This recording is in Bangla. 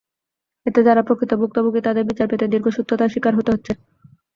এতে যাঁরা প্রকৃত ভুক্তভোগী তাঁদের বিচার পেতে দীর্ঘসূত্রতার শিকার হতে হচ্ছে।